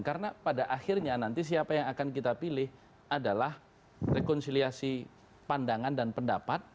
karena pada akhirnya nanti siapa yang akan kita pilih adalah rekonsiliasi pandangan dan pendapat